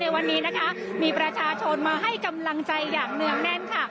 วันนี้นะคะมีประชาชนมาให้กำลังใจอย่างเนื่องแน่นค่ะ